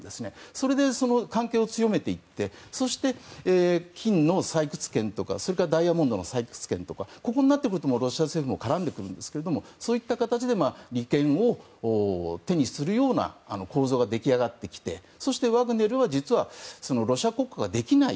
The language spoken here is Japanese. それで関係を強めていってそして、金の採掘権とかそれからダイヤモンドの採掘権とか、こうなってくるともうロシア政府も絡んでくるんですけどそういった形で利権を手にするような構造が出来上がってきてそして、ワグネルは実はロシア国家ができない